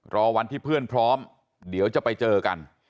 รอวันที่เพื่อนพร้อมเดี๋ยวจะไปเจอกัน